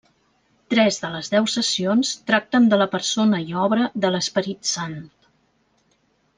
Tres de les deu sessions tracten de la persona i obra de l'Esperit Sant.